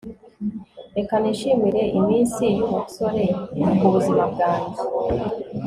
reka nishimire iminssi yubusore kubuzima bwanjye